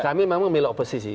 kami memang memilih oposisi